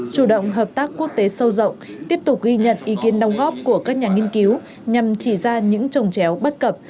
chủ động hợp tác quốc tế sâu rộng tiếp tục ghi nhận ý kiến nông góp của các nhà nghiên cứu nhằm chỉ ra những trồng chéo bất cập